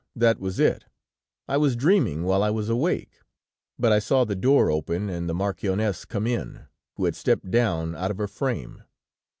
That was it; I was dreaming while I was awake; but I saw the door open and the marchioness come in, who had stepped down, out of her frame.